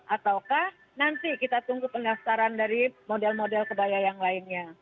ataukah nanti kita tunggu pendaftaran dari model model kebaya yang lainnya